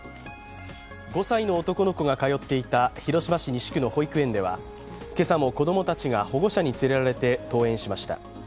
５歳の男の子が通っていた広島市西区の保育園では今朝も子供たちが保護者に連れられて登園しました。